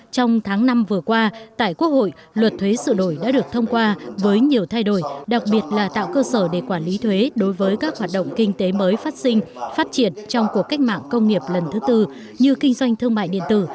trong tháng năm vừa qua tại quốc hội luật thuế sự đổi đã được thông qua với nhiều thay đổi đặc biệt là tạo cơ sở để quản lý thuế đối với các hoạt động kinh tế mới phát sinh phát triển trong cuộc cách mạng công nghiệp lần thứ tư như kinh doanh thương mại điện tử